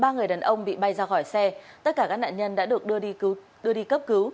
ba người đàn ông bị bay ra khỏi xe tất cả các nạn nhân đã được đưa đi cấp cứu